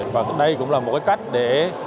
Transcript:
và đây cũng là một cách để